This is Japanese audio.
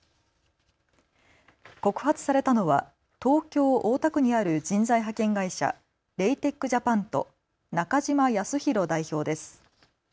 告発されたのは東京大田区にある人材派遣会社、レイテック・ジャパンと中嶋靖浩代表です。